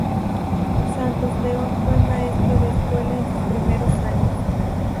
Santos León fue maestro de escuela en sus primeros años.